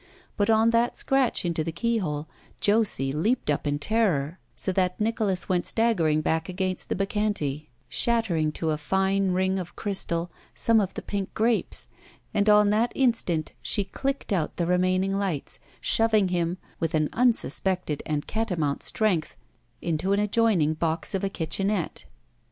But on that scratch into the keyhole, Josie leaped up in terror, so that Nicholas went staggering back against the Bacchante, shattering to a fine ring of crystal some of the pink grapes, and on that instant she clicked out the remaining lights, shoving him, with an tmsuspected and catamotmt strength, into an adjoining box of a kitchenette.